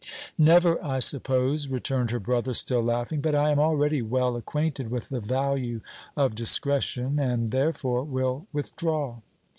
"Never, I suppose!" returned her brother, still laughing. "But I am already well acquainted with the value of discretion and, therefore, will withdraw!"